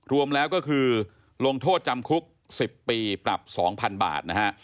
รวมแล้วก็คือลงโทษจำคุก๑๐ปีปรับ๒๐๐๐บาทนะฮะ